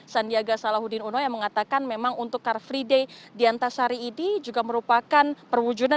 sandiaga salahuddin uno yang mengatakan memang untuk car free day di antasari ini juga merupakan perwujudan